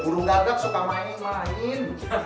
burung dagang suka main main